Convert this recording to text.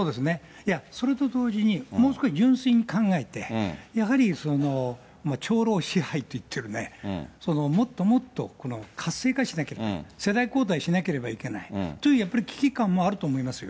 いや、それと同時に、もう少し純粋に考えて、やはり長老支配といっているもっともっとこの活性化しなきゃね、世代交代しなければいけないという危機感もあると思いますよ。